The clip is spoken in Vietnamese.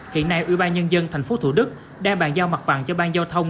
hiện nay ủy ban nhân dân tp thủ đức đang bàn giao mặt bằng cho ban giao thông